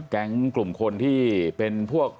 กลุ่มคนที่เป็นพวก